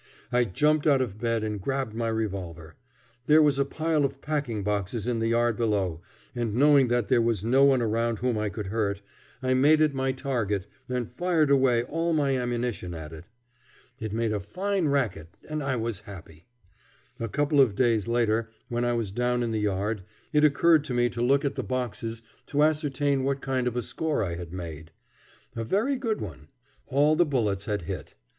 I jumped out of bed and grabbed my revolver. There was a pile of packing boxes in the yard below, and, knowing that there was no one around whom I could hurt, I made it my target and fired away all my ammunition at it. It made a fine racket, and I was happy. A couple of days later, when I was down in the yard, it occurred to me to look at the boxes to ascertain what kind of a score I had made. A very good one. All the bullets had hit.